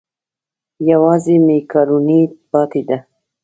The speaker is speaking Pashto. یوازې مېکاروني پاتې ده.